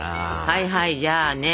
はいはいじゃあね